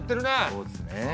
そうですね。